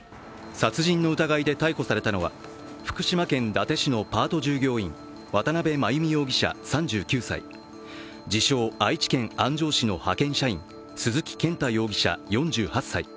殺人の疑いで逮捕されたのは福島県伊達市のパート従業員、渡邉真由美容疑者３９歳、自称・愛知県安城市の派遣社員、鈴木健太容疑者、４８歳。